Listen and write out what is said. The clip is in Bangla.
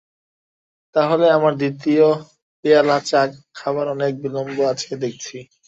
তা হলে আমার দ্বিতীয় পেয়ালা চা খাবার অনেক বিলম্ব আছে দেখছি।